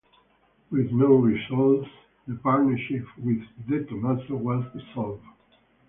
With no results, the partnership with De Tomaso was dissolved.